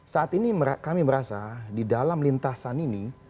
saat ini kami merasa di dalam lintasan ini